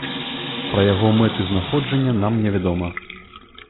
Пра яго мэты знаходжання нам не вядома.